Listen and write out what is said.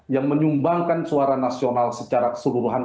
yang menyumbangkan suara nasional secara keseluruhan